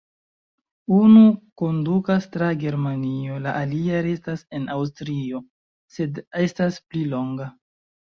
Unu kondukas tra Germanio, la alia restas en Aŭstrio, sed estas pli longa.